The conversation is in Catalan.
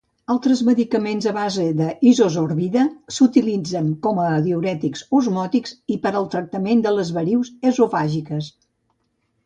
Altres medicaments a base d'isosorbida s'utilitzen com a diürètics osmòtics i per al tractament de les varius esofàgiques.